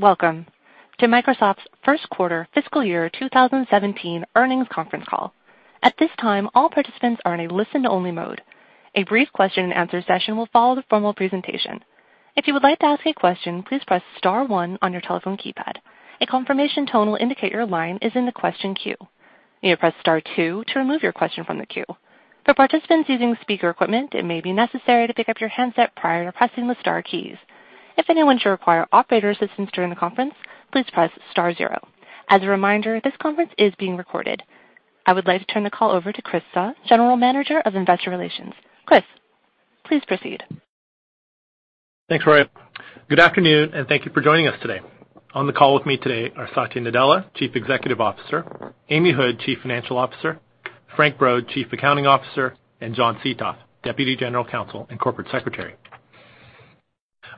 Welcome to Microsoft's first quarter fiscal year 2017 earnings conference call. At this time, all participants are in a listen only mode. A brief question and answer session will follow the formal presentation. If you would like to ask a question, please press star one on your telephone keypad. A confirmation tone will indicate your line is in the question queue. You may press star two to remove your question from the queue. For participants using speaker equipment, it may be necessary to pick up your handset prior to pressing the star keys. If anyone should require operator assistance during the conference, please press star zero. As a reminder, this conference is being recorded. I would like to turn the call over to Chris Suh, General Manager of Investor Relations. Chris, please proceed. Thanks, Roy. Good afternoon. Thank you for joining us today. On the call with me today are Satya Nadella, Chief Executive Officer, Amy Hood, Chief Financial Officer, Frank Brod, Chief Accounting Officer, and John Seethoff, Deputy General Counsel and Corporate Secretary.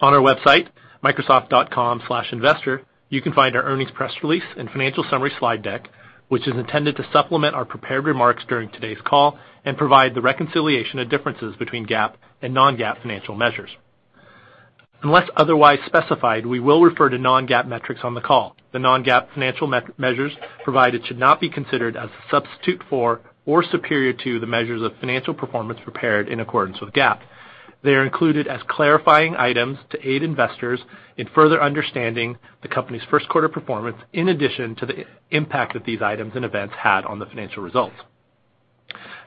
On our website, microsoft.com/investor, you can find our earnings press release and financial summary slide deck, which is intended to supplement our prepared remarks during today's call and provide the reconciliation of differences between GAAP and non-GAAP financial measures. Unless otherwise specified, we will refer to non-GAAP metrics on the call. The non-GAAP financial measures provided should not be considered as a substitute for or superior to the measures of financial performance prepared in accordance with GAAP. They are included as clarifying items to aid investors in further understanding the company's first quarter performance, in addition to the impact that these items and events had on the financial results.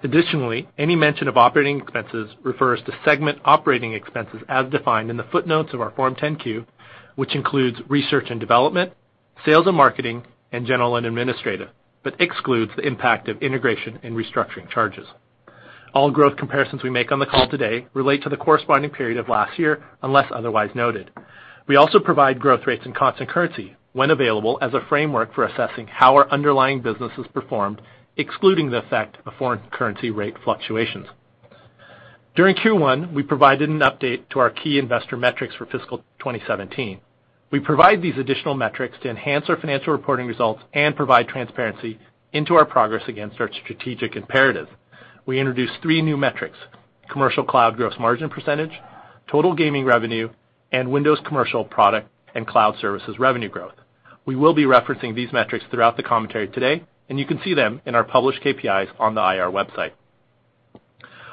Additionally, any mention of operating expenses refers to segment operating expenses as defined in the footnotes of our Form 10-Q, which includes research and development, sales and marketing, and general and administrative, but excludes the impact of integration and restructuring charges. All growth comparisons we make on the call today relate to the corresponding period of last year, unless otherwise noted. We also provide growth rates and constant currency when available as a framework for assessing how our underlying businesses performed, excluding the effect of foreign currency rate fluctuations. During Q1, we provided an update to our key investor metrics for fiscal 2017. We provide these additional metrics to enhance our financial reporting results and provide transparency into our progress against our strategic imperative. We introduced three new metrics: commercial cloud gross margin %, total gaming revenue, and Windows commercial product and cloud services revenue growth. We will be referencing these metrics throughout the commentary today, and you can see them in our published KPIs on the IR website.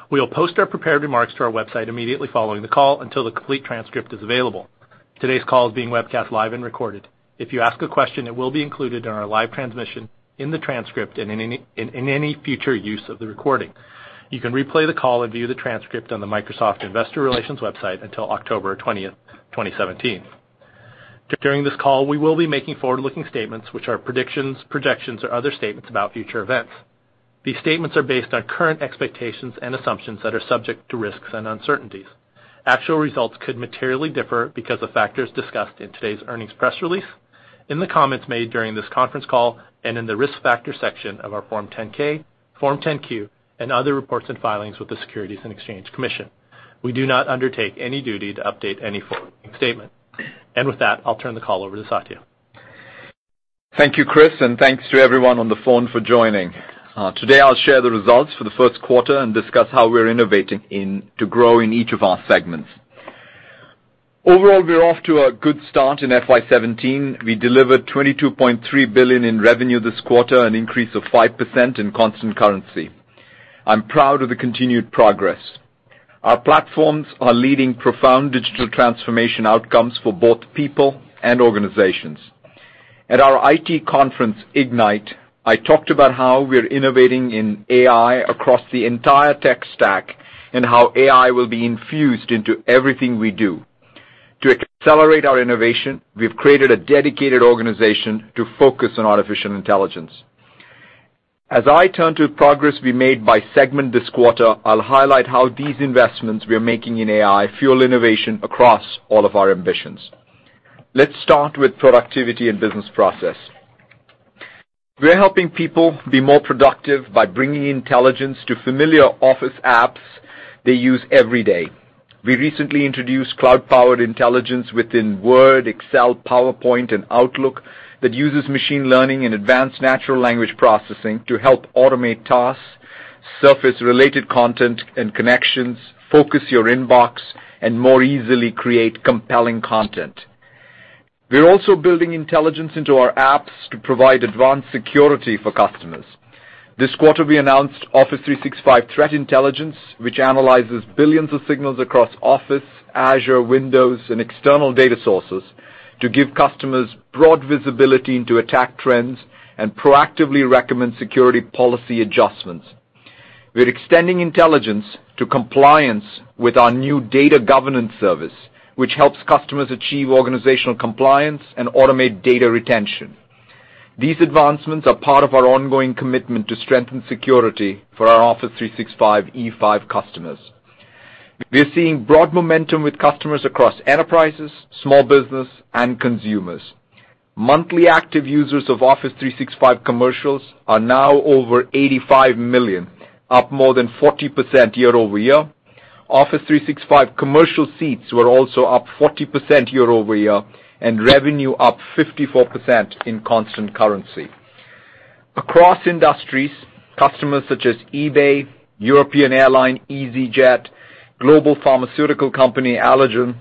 We will post our prepared remarks to our website immediately following the call until the complete transcript is available. Today's call is being webcast live and recorded. If you ask a question, it will be included in our live transmission, in the transcript, and in any future use of the recording. You can replay the call and view the transcript on the Microsoft Investor Relations website until October 20th, 2017. During this call, we will be making forward-looking statements, which are predictions, projections, or other statements about future events. These statements are based on current expectations and assumptions that are subject to risks and uncertainties. Actual results could materially differ because of factors discussed in today's earnings press release, in the comments made during this conference call, and in the risk factor section of our Form 10-K, Form 10-Q, and other reports and filings with the Securities and Exchange Commission. We do not undertake any duty to update any forward-looking statement. With that, I'll turn the call over to Satya. Thank you, Chris, and thanks to everyone on the phone for joining. Today, I'll share the results for the first quarter and discuss how we're innovating to grow in each of our segments. Overall, we're off to a good start in FY 2017. We delivered $22.3 billion in revenue this quarter, an increase of 5% in constant currency. I'm proud of the continued progress. Our platforms are leading profound digital transformation outcomes for both people and organizations. At our IT conference, Ignite, I talked about how we're innovating in AI across the entire tech stack and how AI will be infused into everything we do. To accelerate our innovation, we've created a dedicated organization to focus on artificial intelligence. As I turn to progress we made by segment this quarter, I'll highlight how these investments we are making in AI fuel innovation across all of our ambitions. Let's start with Productivity and Business Process. We are helping people be more productive by bringing intelligence to familiar Office apps they use every day. We recently introduced cloud-powered intelligence within Word, Excel, PowerPoint, and Outlook that uses machine learning and advanced natural language processing to help automate tasks, surface related content and connections, focus your inbox, and more easily create compelling content. We're also building intelligence into our apps to provide advanced security for customers. This quarter, we announced Office 365 Threat Intelligence, which analyzes billions of signals across Office, Azure, Windows, and external data sources to give customers broad visibility into attack trends and proactively recommend security policy adjustments. We're extending intelligence to compliance with our new data governance service, which helps customers achieve organizational compliance and automate data retention. These advancements are part of our ongoing commitment to strengthen security for our Office 365 E5 customers. We are seeing broad momentum with customers across enterprises, small business, and consumers. Monthly active users of Office 365 Commercial are now over 85 million, up more than 40% year-over-year. Office 365 Commercial seats were also up 40% year-over-year, and revenue up 54% in constant currency. Across industries, customers such as eBay, European Airline, easyJet, global pharmaceutical company Allergan,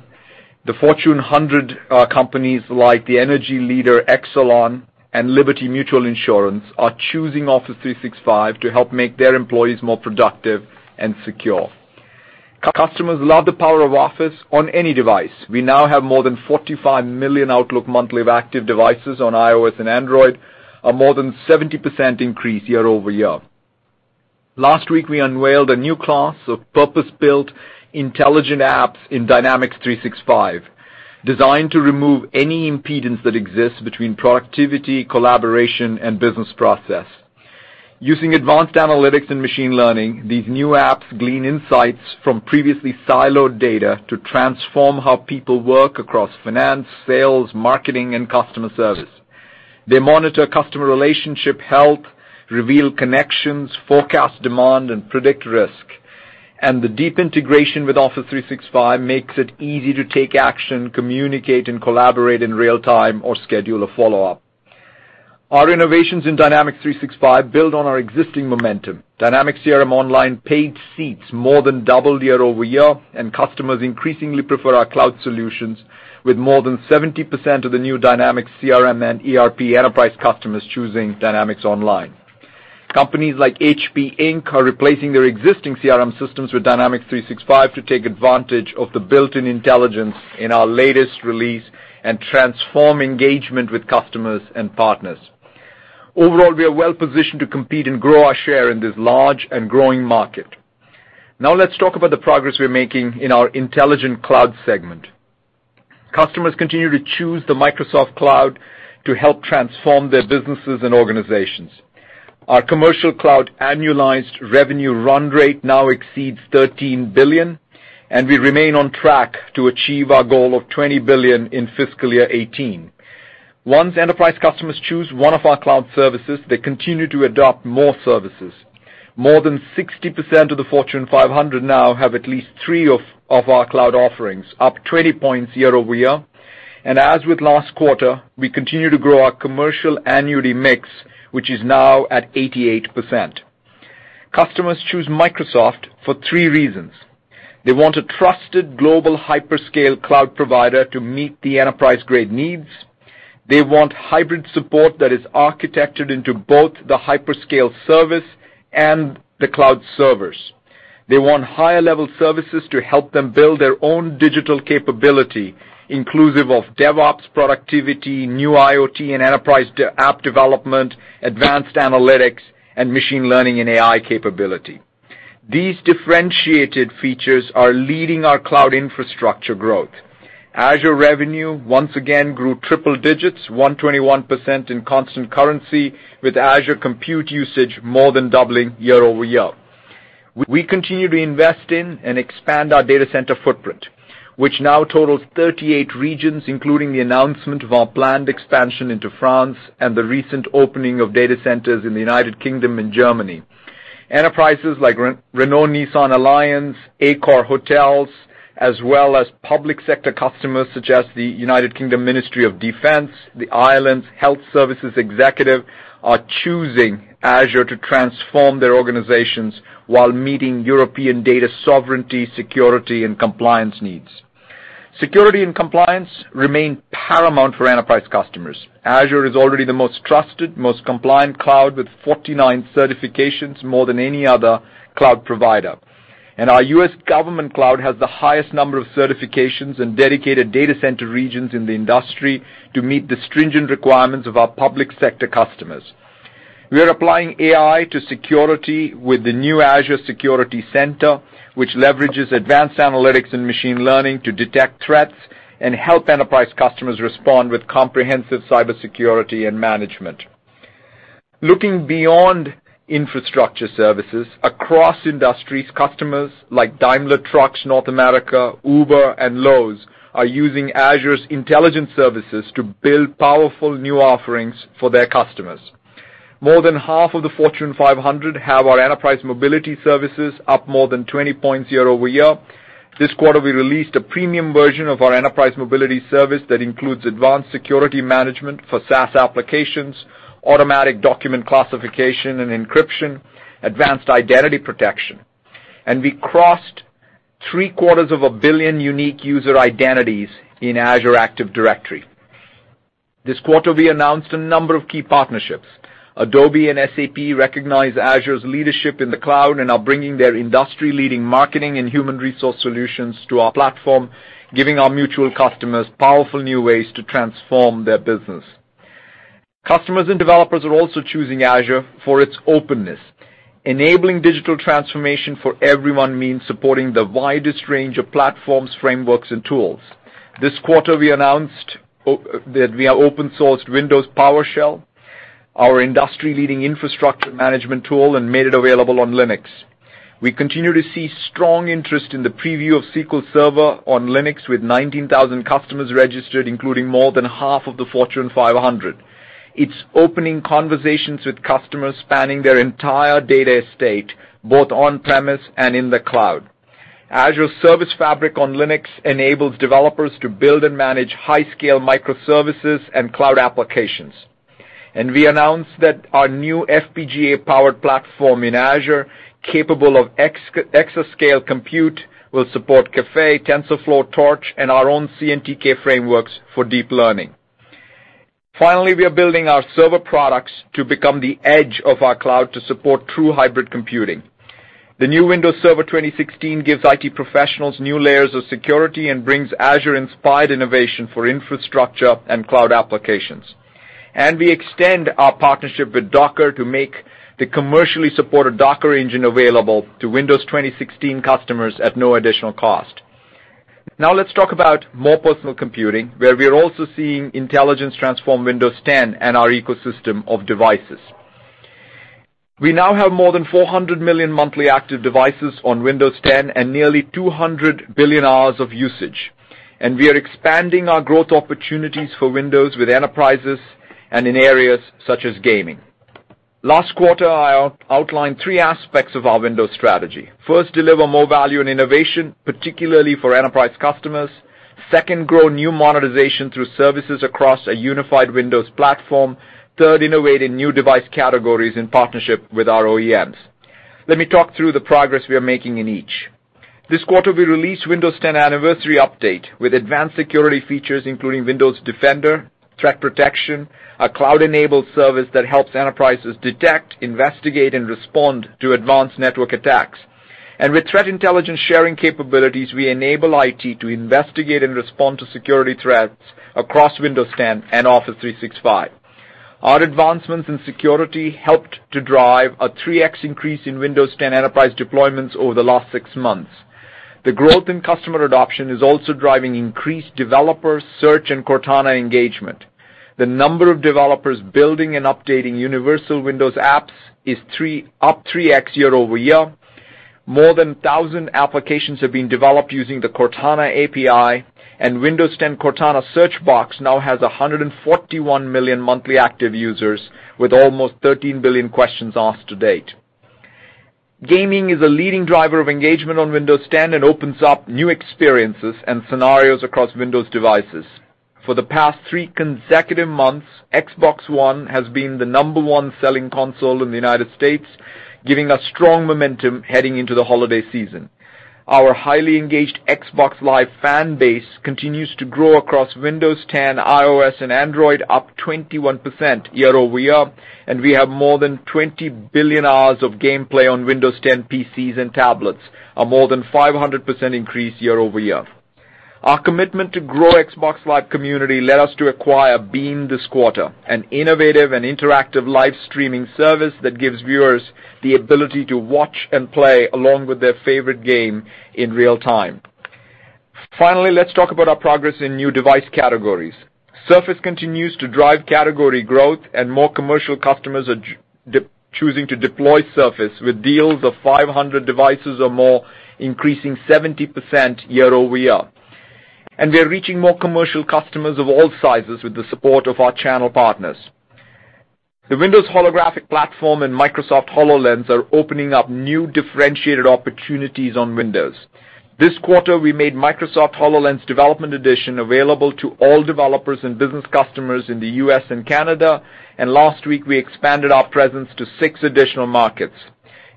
the Fortune 100 companies like the energy leader Exelon, and Liberty Mutual Insurance are choosing Office 365 to help make their employees more productive and secure. Customers love the power of Office on any device. We now have more than 45 million Outlook monthly active devices on iOS and Android, a more than 70% increase year-over-year. Last week, we unveiled a new class of purpose-built intelligent apps in Dynamics 365, designed to remove any impedance that exists between productivity, collaboration, and business process. Using advanced analytics and machine learning, these new apps glean insights from previously siloed data to transform how people work across finance, sales, marketing, and customer service. They monitor customer relationship health, reveal connections, forecast demand and predict risk. The deep integration with Office 365 makes it easy to take action, communicate, and collaborate in real time or schedule a follow-up. Our innovations in Dynamics 365 build on our existing momentum. Dynamics CRM Online paid seats more than doubled year-over-year, and customers increasingly prefer our cloud solutions with more than 70% of the new Dynamics CRM and ERP enterprise customers choosing Dynamics Online. Companies like HP Inc. are replacing their existing CRM systems with Dynamics 365 to take advantage of the built-in intelligence in our latest release and transform engagement with customers and partners. Overall, we are well-positioned to compete and grow our share in this large and growing market. Now let's talk about the progress we're making in our intelligent cloud segment. Customers continue to choose the Microsoft Cloud to help transform their businesses and organizations. Our commercial cloud annualized revenue run rate now exceeds $13 billion, and we remain on track to achieve our goal of $20 billion in fiscal year 2018. Once enterprise customers choose one of our cloud services, they continue to adopt more services. More than 60% of the Fortune 500 now have at least three of our cloud offerings, up 20 points year-over-year. As with last quarter, we continue to grow our commercial annuity mix, which is now at 88%. Customers choose Microsoft for three reasons. They want a trusted global hyperscale cloud provider to meet the enterprise-grade needs. They want hybrid support that is architectured into both the hyperscale service and the cloud servers. They want higher-level services to help them build their own digital capability, inclusive of DevOps productivity, new IoT and enterprise app development, advanced analytics, and machine learning and AI capability. These differentiated features are leading our cloud infrastructure growth. Azure revenue once again grew triple digits, 121% in constant currency, with Azure compute usage more than doubling year-over-year. We continue to invest in and expand our data center footprint, which now totals 38 regions, including the announcement of our planned expansion into France and the recent opening of data centers in the United Kingdom and Germany. Enterprises like Renault-Nissan Alliance, AccorHotels, as well as public sector customers such as the United Kingdom Ministry of Defence, the Ireland's Health Service Executive, are choosing Azure to transform their organizations while meeting European data sovereignty, security, and compliance needs. Security and compliance remain paramount for enterprise customers. Azure is already the most trusted, most compliant cloud with 49 certifications, more than any other cloud provider. Our U.S. government cloud has the highest number of certifications and dedicated data center regions in the industry to meet the stringent requirements of our public sector customers. We are applying AI to security with the new Azure Security Center, which leverages advanced analytics and machine learning to detect threats and help enterprise customers respond with comprehensive cybersecurity and management. Looking beyond infrastructure services, across industries, customers like Daimler Truck North America, Uber, and Lowe's are using Azure's intelligence services to build powerful new offerings for their customers. More than half of the Fortune 500 have our enterprise mobility services, up more than 20 points year-over-year. This quarter, we released a premium version of our enterprise mobility service that includes advanced security management for SaaS applications, automatic document classification and encryption, advanced identity protection. We crossed three-quarters of a billion unique user identities in Azure Active Directory. This quarter, we announced a number of key partnerships. Adobe and SAP recognize Azure's leadership in the cloud and are bringing their industry-leading marketing and human resource solutions to our platform, giving our mutual customers powerful new ways to transform their business. Customers and developers are also choosing Azure for its openness. Enabling digital transformation for everyone means supporting the widest range of platforms, frameworks, and tools. This quarter, we announced that we have open-sourced Windows PowerShell, our industry-leading infrastructure management tool, and made it available on Linux. We continue to see strong interest in the preview of SQL Server on Linux with 19,000 customers registered, including more than half of the Fortune 500. It's opening conversations with customers spanning their entire data estate, both on-premises and in the cloud. Azure Service Fabric on Linux enables developers to build and manage high-scale microservices and cloud applications. We announced that our new FPGA-powered platform in Azure, capable of exascale compute, will support Caffe, TensorFlow, Torch, and our own CNTK frameworks for deep learning. Finally, we are building our server products to become the edge of our cloud to support true hybrid computing. The new Windows Server 2016 gives IT professionals new layers of security and brings Azure-inspired innovation for infrastructure and cloud applications. We extend our partnership with Docker to make the commercially supported Docker Engine available to Windows Server 2016 customers at no additional cost. Now let's talk about more personal computing, where we are also seeing intelligence transform Windows 10 and our ecosystem of devices. We now have more than 400 million monthly active devices on Windows 10 and nearly 200 billion hours of usage. We are expanding our growth opportunities for Windows with enterprises and in areas such as gaming. Last quarter, I outlined three aspects of our Windows strategy. First, deliver more value and innovation, particularly for enterprise customers. Second, grow new monetization through services across a unified Windows platform. Third, innovate in new device categories in partnership with our OEMs. Let me talk through the progress we are making in each. This quarter, we released Windows 10 Anniversary Update with advanced security features, including Windows Defender, Threat Protection, a cloud-enabled service that helps enterprises detect, investigate, and respond to advanced network attacks. With threat intelligence sharing capabilities, we enable IT to investigate and respond to security threats across Windows 10 and Office 365. Our advancements in security helped to drive a three X increase in Windows 10 enterprise deployments over the last six months. The growth in customer adoption is also driving increased developer search and Cortana engagement. The number of developers building and updating universal Windows apps is up three X year-over-year. More than 1,000 applications have been developed using the Cortana API, and Windows 10 Cortana search box now has 141 million monthly active users with almost 13 billion questions asked to date. Gaming is a leading driver of engagement on Windows 10 and opens up new experiences and scenarios across Windows devices. For the past three consecutive months, Xbox One has been the number one selling console in the U.S., giving us strong momentum heading into the holiday season. Our highly engaged Xbox Live fan base continues to grow across Windows 10, iOS, and Android, up 21% year-over-year, and we have more than 20 billion hours of gameplay on Windows 10 PCs and tablets, a more than 500% increase year-over-year. Our commitment to grow Xbox Live community led us to acquire Beam this quarter, an innovative and interactive live streaming service that gives viewers the ability to watch and play along with their favorite game in real-time. Finally, let's talk about our progress in new device categories. Surface continues to drive category growth and more commercial customers are choosing to deploy Surface with deals of 500 devices or more, increasing 70% year-over-year. We are reaching more commercial customers of all sizes with the support of our channel partners. The Windows Holographic Platform and Microsoft HoloLens are opening up new differentiated opportunities on Windows. This quarter, we made Microsoft HoloLens Development Edition available to all developers and business customers in the U.S. and Canada, and last week, we expanded our presence to six additional markets.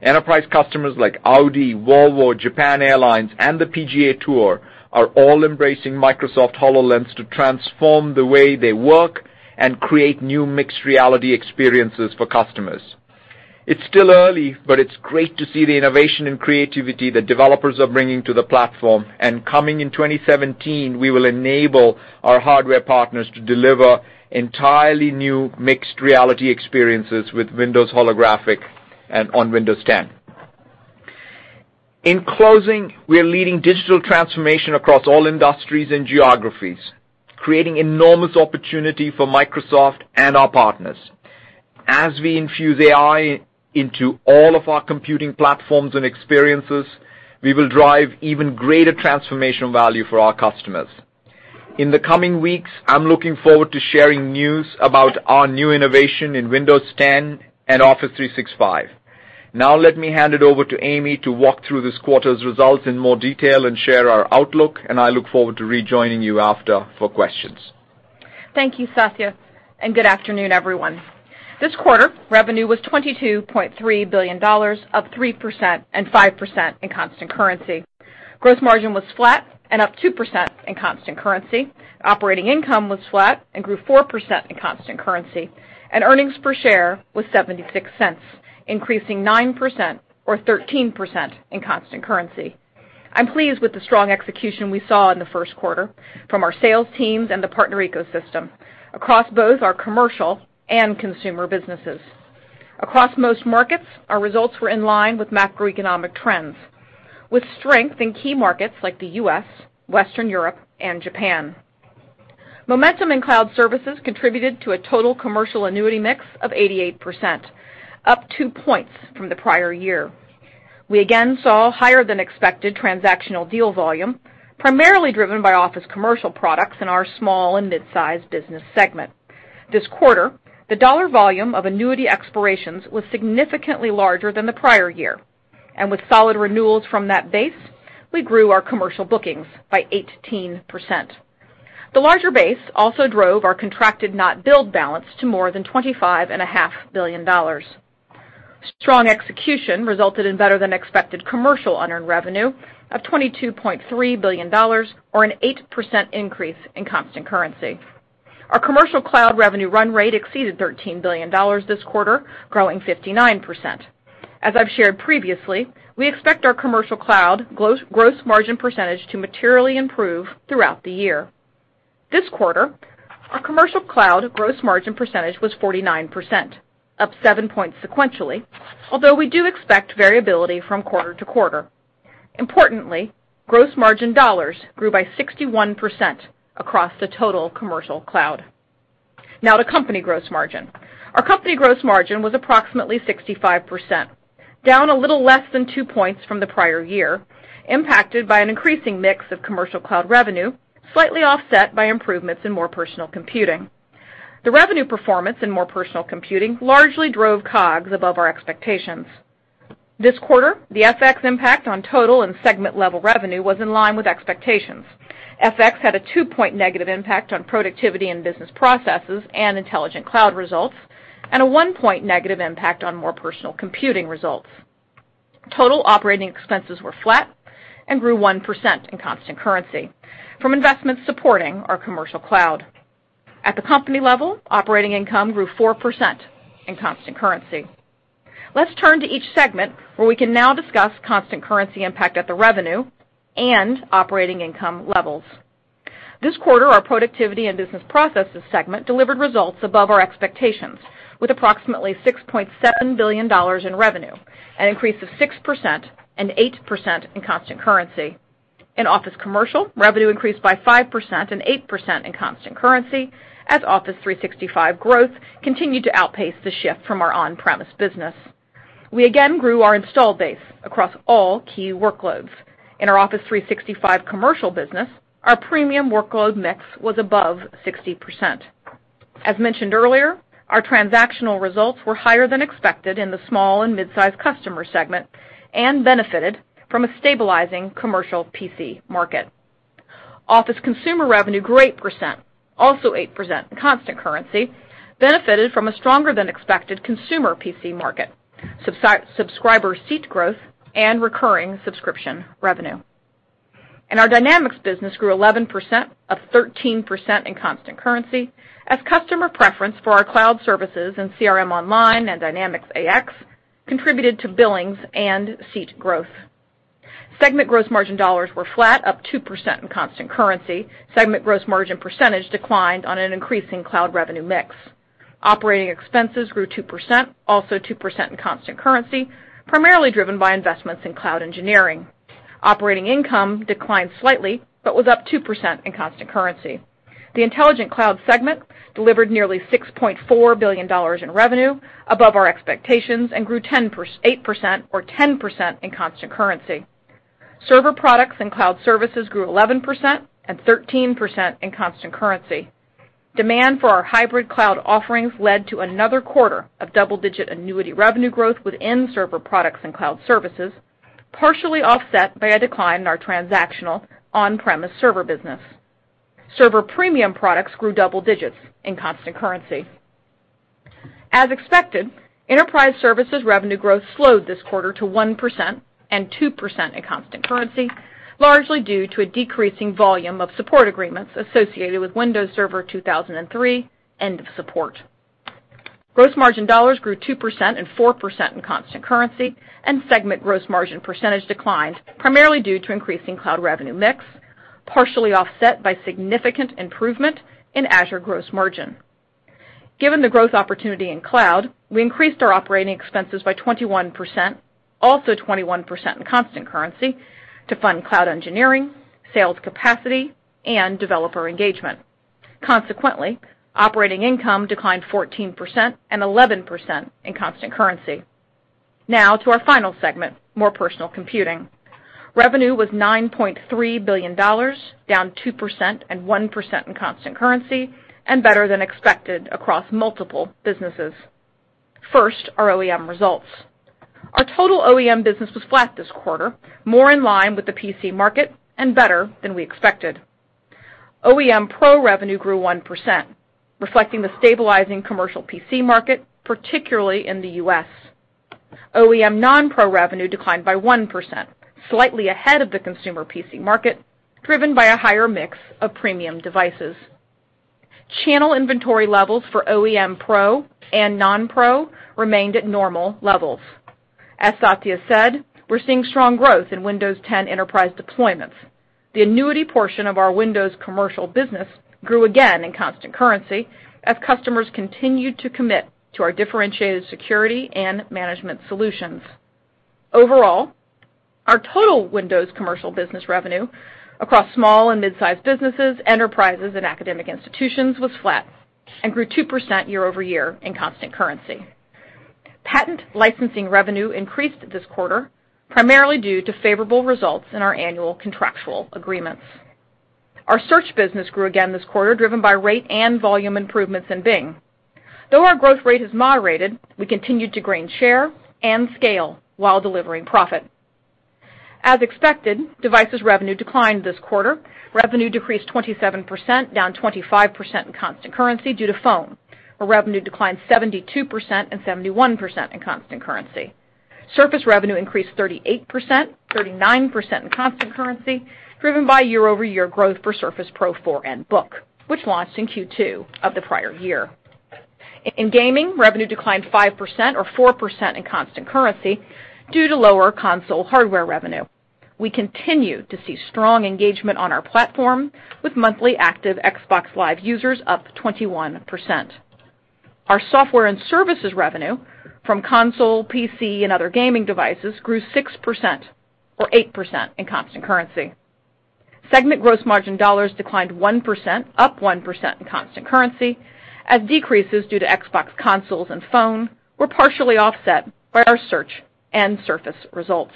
Enterprise customers like Audi, Volvo, Japan Airlines, and the PGA Tour are all embracing Microsoft HoloLens to transform the way they work and create new mixed reality experiences for customers. It's still early, but it's great to see the innovation and creativity that developers are bringing to the platform. Coming in 2017, we will enable our hardware partners to deliver entirely new mixed reality experiences with Windows Holographic on Windows 10. In closing, we are leading digital transformation across all industries and geographies, creating enormous opportunity for Microsoft and our partners. As we infuse AI into all of our computing platforms and experiences, we will drive even greater transformational value for our customers. In the coming weeks, I'm looking forward to sharing news about our new innovation in Windows 10 and Office 365. Now let me hand it over to Amy to walk through this quarter's results in more detail and share our outlook, and I look forward to rejoining you after for questions. Thank you, Satya, and good afternoon, everyone. This quarter, revenue was $22.3 billion, up 3% and 5% in constant currency. Gross margin was flat and up 2% in constant currency. Operating income was flat and grew 4% in constant currency. Earnings per share was $0.76, increasing 9% or 13% in constant currency. I'm pleased with the strong execution we saw in the first quarter from our sales teams and the partner ecosystem across both our commercial and consumer businesses. Across most markets, our results were in line with macroeconomic trends, with strength in key markets like the U.S., Western Europe, and Japan. Momentum in cloud services contributed to a total commercial annuity mix of 88%, up two points from the prior year. We again saw higher than expected transactional deal volume, primarily driven by Office commercial products in our small and mid-size business segment. This quarter, the dollar volume of annuity expirations was significantly larger than the prior year. With solid renewals from that base, we grew our commercial bookings by 18%. The larger base also drove our contracted not billed balance to more than $25.5 billion. Strong execution resulted in better than expected commercial unearned revenue of $22.3 billion, or an 8% increase in constant currency. Our commercial cloud revenue run rate exceeded $13 billion this quarter, growing 59%. As I've shared previously, we expect our commercial cloud gross margin percentage to materially improve throughout the year. This quarter, our commercial cloud gross margin percentage was 49%, up seven points sequentially, although we do expect variability from quarter to quarter. Importantly, gross margin dollars grew by 61% across the total commercial cloud. Now to company gross margin. Our company gross margin was approximately 65%, down a little less than two points from the prior year, impacted by an increasing mix of commercial cloud revenue, slightly offset by improvements in More Personal Computing. The revenue performance in More Personal Computing largely drove COGS above our expectations. This quarter, the FX impact on total and segment-level revenue was in line with expectations. FX had a two-point negative impact on Productivity and Business Processes and Intelligent Cloud results, and a one-point negative impact on More Personal Computing results. Total operating expenses were flat and grew 1% in constant currency from investments supporting our commercial cloud. At the company level, operating income grew 4% in constant currency. Let's turn to each segment where we can now discuss constant currency impact at the revenue and operating income levels. This quarter, our Productivity and Business Processes segment delivered results above our expectations with approximately $6.7 billion in revenue, an increase of 6% and 8% in constant currency. In Office Commercial, revenue increased by 5% and 8% in constant currency as Office 365 growth continued to outpace the shift from our on-premise business. We again grew our installed base across all key workloads. In our Office 365 Commercial business, our premium workload mix was above 60%. As mentioned earlier, our transactional results were higher than expected in the small and mid-size customer segment and benefited from a stabilizing commercial PC market. Office Consumer Revenue grew 8%, also 8% in constant currency, benefited from a stronger than expected consumer PC market, subscriber seat growth, and recurring subscription revenue. Our Dynamics business grew 11%, up 13% in constant currency as customer preference for our cloud services in CRM Online and Dynamics AX contributed to billings and seat growth. Segment gross margin dollars were flat, up 2% in constant currency. Segment gross margin percentage declined on an increasing cloud revenue mix. Operating expenses grew 2%, also 2% in constant currency, primarily driven by investments in cloud engineering. Operating income declined slightly but was up 2% in constant currency. The Intelligent Cloud segment delivered nearly $6.4 billion in revenue above our expectations and grew 8% or 10% in constant currency. Server products and cloud services grew 11% and 13% in constant currency. Demand for our hybrid cloud offerings led to another quarter of double-digit annuity revenue growth within server products and cloud services, partially offset by a decline in our transactional on-premise server business. Server premium products grew double digits in constant currency. As expected, Enterprise Services revenue growth slowed this quarter to 1% and 2% in constant currency, largely due to a decreasing volume of support agreements associated with Windows Server 2003 end of support. Gross margin dollars grew 2% and 4% in constant currency, and segment gross margin percentage declined primarily due to increasing cloud revenue mix, partially offset by significant improvement in Azure gross margin. Given the growth opportunity in cloud, we increased our operating expenses by 21%, also 21% in constant currency to fund cloud engineering, sales capacity, and developer engagement. Consequently, operating income declined 14% and 11% in constant currency. Now to our final segment, More Personal Computing. Revenue was $9.3 billion, down 2% and 1% in constant currency, and better than expected across multiple businesses. First, our OEM results. Our total OEM business was flat this quarter, more in line with the PC market and better than we expected. OEM Pro revenue grew 1%, reflecting the stabilizing commercial PC market, particularly in the U.S. OEM non-pro revenue declined by 1%, slightly ahead of the consumer PC market, driven by a higher mix of premium devices. Channel inventory levels for OEM Pro and non-pro remained at normal levels. As Satya said, we're seeing strong growth in Windows 10 Enterprise deployments. The annuity portion of our Windows commercial business grew again in constant currency as customers continued to commit to our differentiated security and management solutions. Overall, our total Windows commercial business revenue across small and mid-size businesses, enterprises, and academic institutions was flat and grew 2% year-over-year in constant currency. Patent licensing revenue increased this quarter, primarily due to favorable results in our annual contractual agreements. Our search business grew again this quarter, driven by rate and volume improvements in Bing. Though our growth rate has moderated, we continued to gain share and scale while delivering profit. As expected, devices revenue declined this quarter. Revenue decreased 27%, down 25% in constant currency due to Phone, where revenue declined 72% and 71% in constant currency. Surface revenue increased 38%, 39% in constant currency, driven by year-over-year growth for Surface Pro 4 and Book, which launched in Q2 of the prior year. In gaming, revenue declined 5%, or 4% in constant currency, due to lower console hardware revenue. We continue to see strong engagement on our platform, with monthly active Xbox Live users up 21%. Our software and services revenue from console, PC, and other gaming devices grew 6%, or 8% in constant currency. Segment gross margin dollars declined 1%, up 1% in constant currency, as decreases due to Xbox consoles and Phone were partially offset by our Search and Surface results.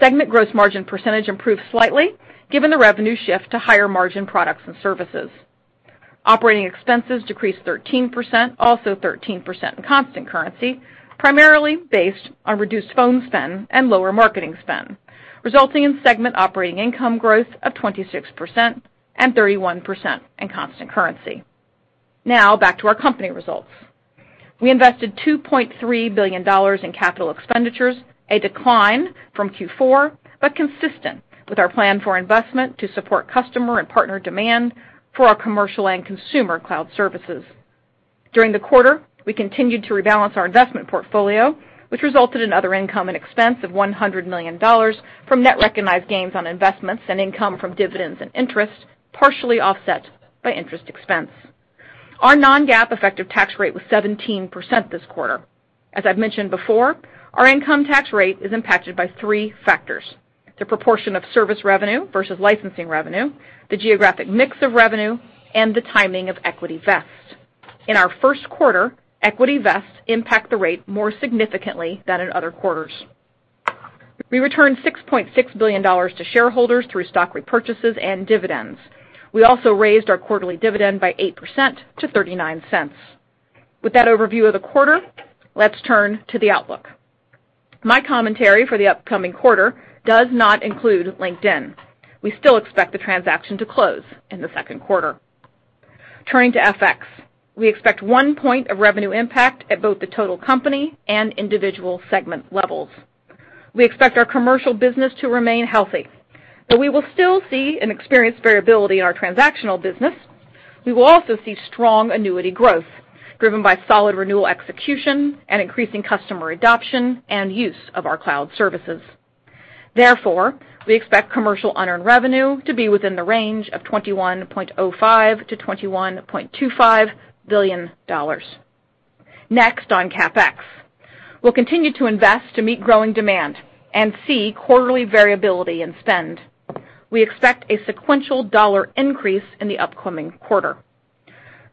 Segment gross margin percentage improved slightly given the revenue shift to higher-margin products and services. Operating expenses decreased 13%, also 13% in constant currency, primarily based on reduced Phone spend and lower marketing spend, resulting in segment operating income growth of 26% and 31% in constant currency. Now back to our company results. We invested $2.3 billion in capital expenditures, a decline from Q4, but consistent with our plan for investment to support customer and partner demand for our commercial and consumer cloud services. During the quarter, we continued to rebalance our investment portfolio, which resulted in other income and expense of $100 million from net recognized gains on investments and income from dividends and interest, partially offset by interest expense. Our non-GAAP effective tax rate was 17% this quarter. As I've mentioned before, our income tax rate is impacted by three factors: the proportion of service revenue versus licensing revenue, the geographic mix of revenue, and the timing of equity vests. In our first quarter, equity vests impact the rate more significantly than in other quarters. We returned $6.6 billion to shareholders through stock repurchases and dividends. We also raised our quarterly dividend by 8% to $0.39. With that overview of the quarter, let's turn to the outlook. My commentary for the upcoming quarter does not include LinkedIn. We still expect the transaction to close in the second quarter. Turning to FX, we expect one point of revenue impact at both the total company and individual segment levels. We expect our commercial business to remain healthy, but we will still see and experience variability in our transactional business. We will also see strong annuity growth, driven by solid renewal execution and increasing customer adoption and use of our cloud services. Therefore, we expect commercial unearned revenue to be within the range of $21.05 billion-$21.25 billion. Next, on CapEx. We'll continue to invest to meet growing demand and see quarterly variability in spend. We expect a sequential dollar increase in the upcoming quarter.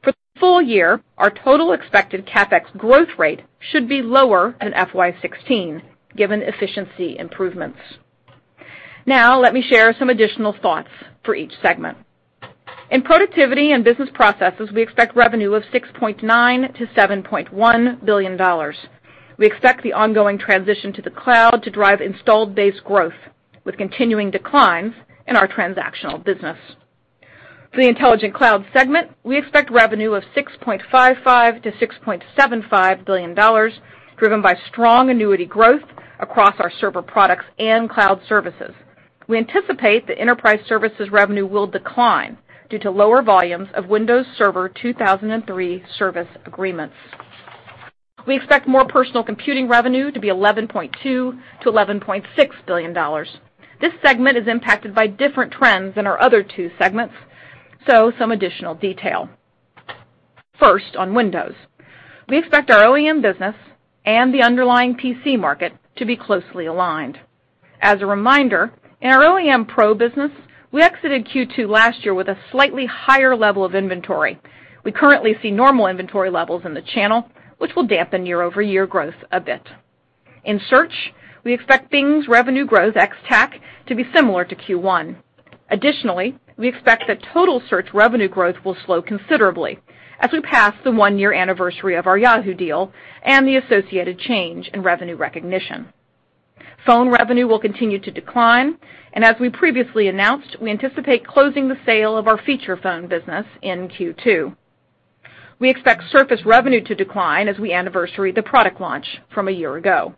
For the full year, our total expected CapEx growth rate should be lower than FY 2016, given efficiency improvements. Let me share some additional thoughts for each segment. In Productivity and Business Processes, we expect revenue of $6.9 billion-$7.1 billion. We expect the ongoing transition to the cloud to drive installed base growth, with continuing declines in our transactional business. For the Intelligent Cloud segment, we expect revenue of $6.55 billion-$6.75 billion, driven by strong annuity growth across our server products and cloud services. We anticipate that enterprise services revenue will decline due to lower volumes of Windows Server 2003 service agreements. We expect More Personal Computing revenue to be $11.2 billion-$11.6 billion. This segment is impacted by different trends than our other two segments, so some additional detail. First, on Windows, we expect our OEM business and the underlying PC market to be closely aligned. As a reminder, in our OEM Pro business, we exited Q2 last year with a slightly higher level of inventory. We currently see normal inventory levels in the channel, which will dampen year-over-year growth a bit. In Search, we expect Bing's revenue growth ex TAC to be similar to Q1. Additionally, we expect that total Search revenue growth will slow considerably as we pass the one-year anniversary of our Yahoo deal and the associated change in revenue recognition. Phone revenue will continue to decline, and as we previously announced, we anticipate closing the sale of our feature phone business in Q2. We expect Surface revenue to decline as we anniversary the product launch from a year ago.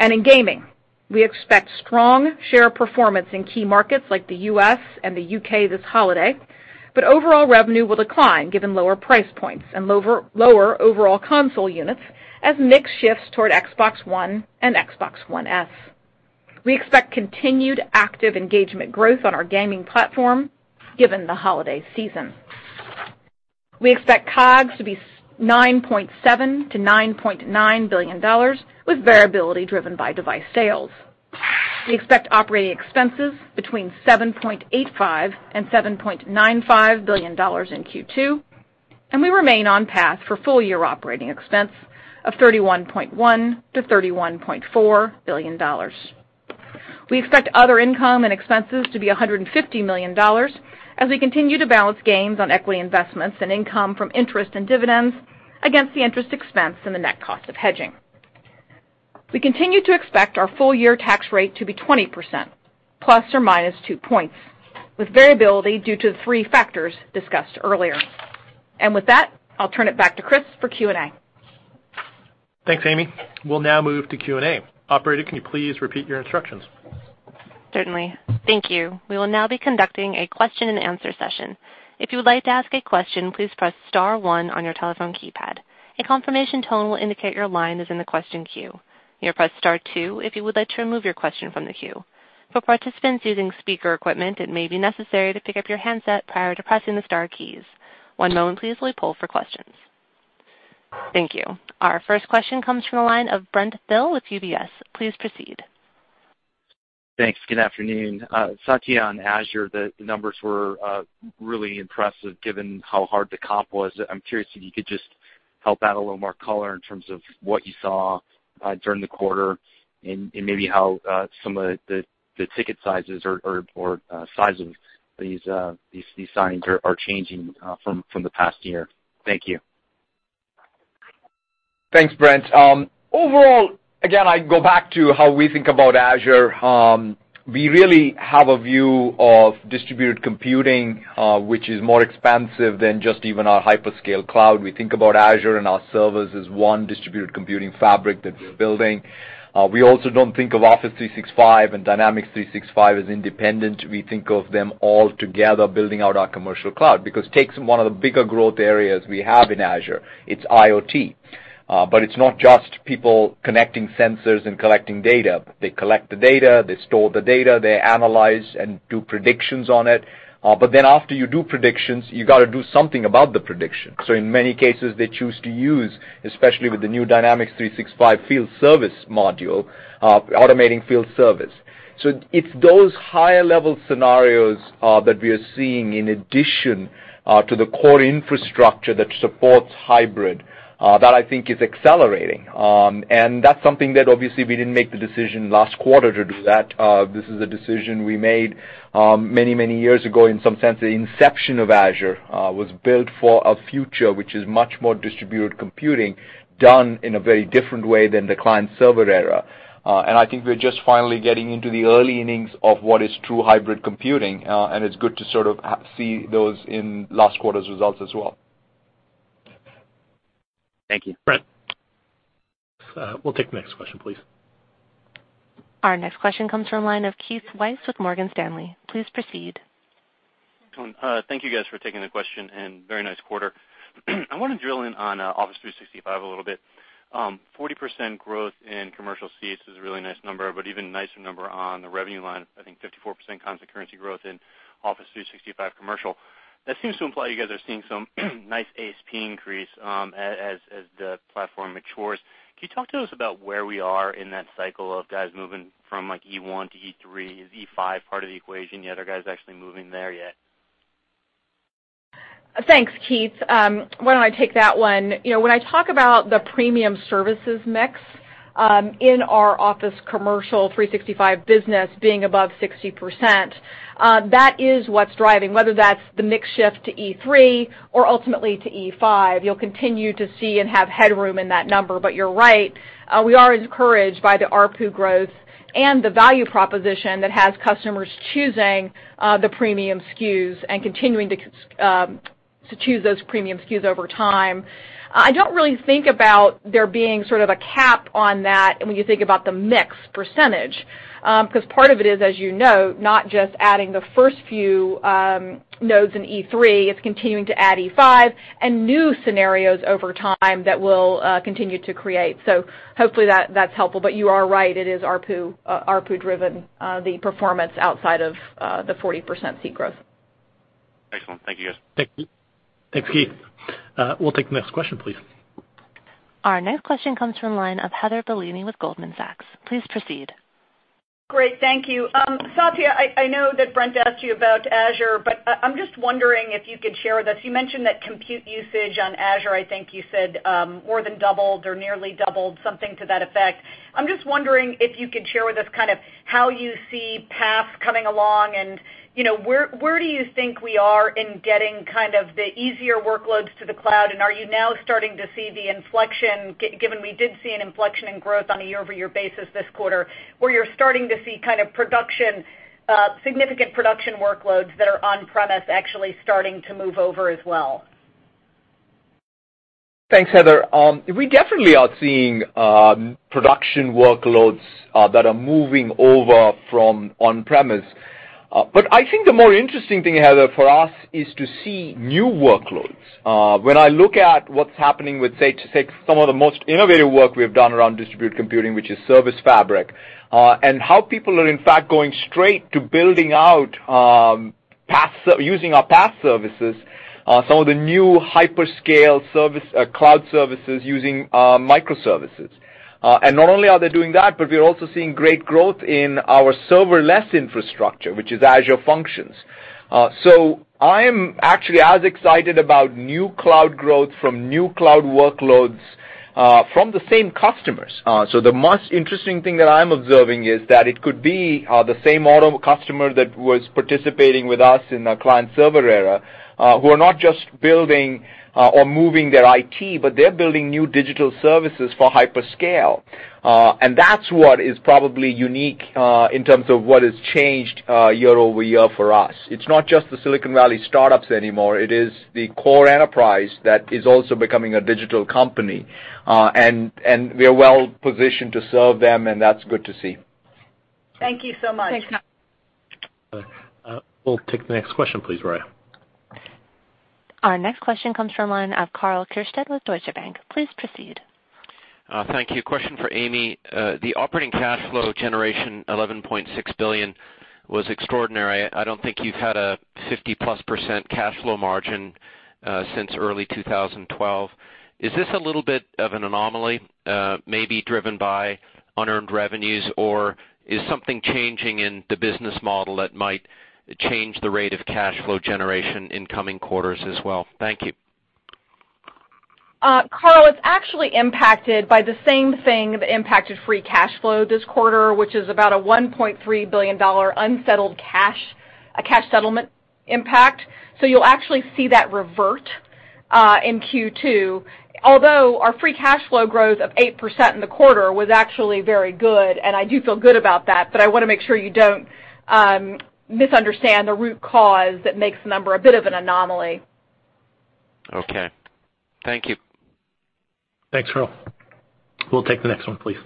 In gaming, we expect strong share performance in key markets like the U.S. and the U.K. this holiday, but overall revenue will decline given lower price points and lower overall console units as mix shifts toward Xbox One and Xbox One S. We expect continued active engagement growth on our gaming platform given the holiday season. We expect COGS to be $9.7 billion-$9.9 billion, with variability driven by device sales. We expect operating expenses between $7.85 billion and $7.95 billion in Q2, and we remain on path for full-year operating expense of $31.1 billion to $31.4 billion. We expect other income and expenses to be $150 million as we continue to balance gains on equity investments and income from interest and dividends against the interest expense and the net cost of hedging. We continue to expect our full-year tax rate to be 20%, plus or minus two points, with variability due to the three factors discussed earlier. With that, I'll turn it back to Chris for Q&A. Thanks, Amy. We'll now move to Q&A. Operator, can you please repeat your instructions? Certainly. Thank you. We will now be conducting a question and answer session. If you would like to ask a question, please press star 1 on your telephone keypad. A confirmation tone will indicate your line is in the question queue. You may press star 2 if you would like to remove your question from the queue. For participants using speaker equipment, it may be necessary to pick up your handset prior to pressing the star keys. One moment please while we poll for questions. Thank you. Our first question comes from the line of Brent Thill with UBS. Please proceed. Thanks. Good afternoon. Satya, on Azure, the numbers were really impressive given how hard the comp was. I'm curious if you could just help add a little more color in terms of what you saw during the quarter and maybe how some of the ticket sizes or size of these signs are changing from the past year. Thank you. Thanks, Brent. Again, I go back to how we think about Azure. We really have a view of distributed computing, which is more expansive than just even our hyperscale cloud. We think about Azure and our servers as one distributed computing fabric that we're building. We also don't think of Office 365 and Dynamics 365 as independent. We think of them all together building out our commercial cloud, take one of the bigger growth areas we have in Azure, it's IoT. It's not just people connecting sensors and collecting data. They collect the data, they store the data, they analyze and do predictions on it. After you do predictions, you got to do something about the prediction. In many cases, they choose to use, especially with the new Dynamics 365 Field Service module, automating field service. It's those higher-level scenarios that we are seeing in addition to the core infrastructure that supports hybrid that I think is accelerating. That's something that obviously we didn't make the decision last quarter to do that. This is a decision we made many years ago. In some sense, the inception of Azure was built for a future which is much more distributed computing done in a very different way than the client-server era. I think we're just finally getting into the early innings of what is true hybrid computing, and it's good to sort of see those in last quarter's results as well. Thank you. Brent. We'll take the next question, please. Our next question comes from the line of Keith Weiss with Morgan Stanley. Please proceed. Thank you guys for taking the question, and very nice quarter. I want to drill in on Office 365 a little bit. 40% growth in commercial seats is a really nice number, but even nicer number on the revenue line, I think 54% currency growth in Office 365 commercial. That seems to imply you guys are seeing some nice ASP increase as the platform matures. Can you talk to us about where we are in that cycle of guys moving from E1 to E3? Is E5 part of the equation yet, or are guys actually moving there yet? Thanks, Keith. Why don't I take that one? When I talk about the premium services mix in our Office Commercial 365 business being above 60%, that is what's driving, whether that's the mix shift to E3 or ultimately to E5. You'll continue to see and have headroom in that number. You're right, we are encouraged by the ARPU growth and the value proposition that has customers choosing the premium SKUs and continuing to choose those premium SKUs over time. I don't really think about there being sort of a cap on that when you think about the mix percentage, because part of it is, as you know, not just adding the first few nodes in E3, it's continuing to add E5 and new scenarios over time that we'll continue to create. Hopefully that's helpful, but you are right, it is ARPU-driven, the performance outside of the 40% seat growth. Excellent. Thank you guys. Thanks, Keith. We'll take the next question, please. Our next question comes from the line of Heather Bellini with Goldman Sachs. Please proceed. Great, thank you. Satya, I know that Brent asked you about Azure, I'm just wondering if you could share with us, you mentioned that compute usage on Azure, I think you said more than doubled or nearly doubled, something to that effect. I'm just wondering if you could share with us how you see PaaS coming along, and where do you think we are in getting the easier workloads to the cloud? Are you now starting to see the inflection, given we did see an inflection in growth on a year-over-year basis this quarter, where you're starting to see significant production workloads that are on-premise actually starting to move over as well? Thanks, Heather. We definitely are seeing production workloads that are moving over from on-premise. I think the more interesting thing, Heather, for us is to see new workloads. When I look at what's happening with, say, some of the most innovative work we've done around distributed computing, which is Service Fabric, and how people are in fact going straight to building out Using our PaaS services, some of the new hyperscale cloud services using microservices. Not only are they doing that, we're also seeing great growth in our serverless infrastructure, which is Azure Functions. I am actually as excited about new cloud growth from new cloud workloads from the same customers. The most interesting thing that I'm observing is that it could be the same auto customer that was participating with us in the client-server era, who are not just building or moving their IT, but they're building new digital services for hyperscale. That's what is probably unique in terms of what has changed year-over-year for us. It's not just the Silicon Valley startups anymore. It is the core enterprise that is also becoming a digital company. We are well-positioned to serve them, and that's good to see. Thank you so much. Thanks, Satya. We'll take the next question, please, Raya. Our next question comes from the line of Karl Keirstead with Deutsche Bank. Please proceed. Thank you. Question for Amy. The operating cash flow generation, $11.6 billion, was extraordinary. I don't think you've had a 50-plus% cash flow margin since early 2012. Is this a little bit of an anomaly maybe driven by unearned revenues, or is something changing in the business model that might change the rate of cash flow generation in coming quarters as well? Thank you. Karl, it's actually impacted by the same thing that impacted free cash flow this quarter, which is about a $1.3 billion unsettled cash settlement impact. You'll actually see that revert in Q2. Although our free cash flow growth of 8% in the quarter was actually very good, and I do feel good about that, but I want to make sure you don't misunderstand the root cause that makes the number a bit of an anomaly. Okay. Thank you. Thanks, Karl. We'll take the next one, please.